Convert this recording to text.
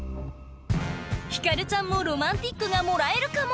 ひかるちゃんもロマンティックがもらえるかも！